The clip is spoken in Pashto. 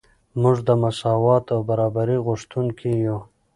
موږ د مساوات او برابرۍ غوښتونکي یو.